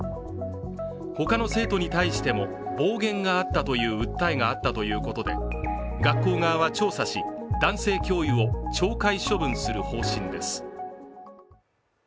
他の生徒に対しても、暴言があったという訴えがあったということで学校側は調査し、男性教諭を懲戒処分する方針です。